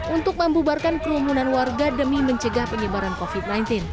untuk membubarkan kerumunan warga demi mencegah penyebaran covid sembilan belas